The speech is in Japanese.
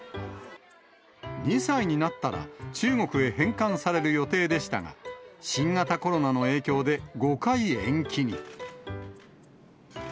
２歳になったら、中国へ返還される予定でしたが、新型コロナの影響で５回延期に。